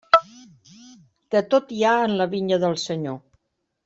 De tot hi ha en la vinya del Senyor.